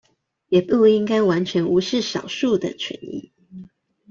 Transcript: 也不應該完全無視少數的權益